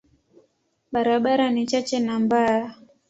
Barabara ni chache na mbaya.